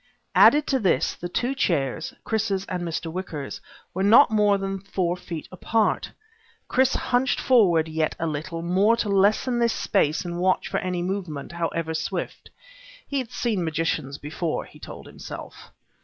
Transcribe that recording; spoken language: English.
Added to this, the two chairs Chris's and Mr. Wicker's were not more than four feet apart. Chris hunched forward yet a little more to lessen this space and watch for any movement, however swift. He had seen magicians before, he told himself.